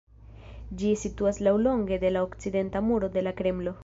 Ĝi situas laŭlonge de la okcidenta muro de la Kremlo.